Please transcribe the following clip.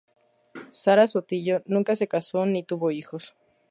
Sara Sotillo nunca se casó ni tuvo hijos.